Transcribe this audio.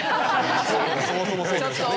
そもそもそうですね。